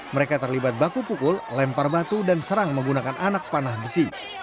mereka terlibat baku pukul lempar batu dan serang menggunakan anak panah besi